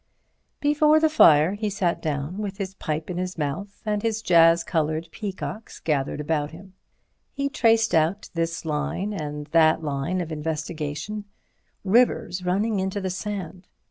Before the fire he sat down with his pipe in his mouth and his jazz coloured peacocks gathered about him. He traced out this line and that line of investigation—rivers running into the sand.